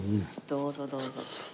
どうぞどうぞ。